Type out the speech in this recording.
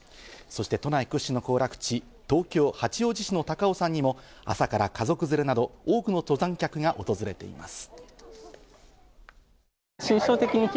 都内屈指の行楽地、東京・八王子市の高尾山にも朝から家族連れなど、多くの登山客が訪れています。